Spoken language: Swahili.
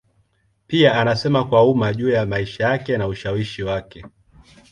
Pia anasema kwa umma juu ya maisha yake na ushawishi wake.